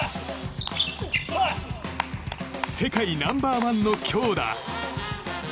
世界ナンバー１の強打。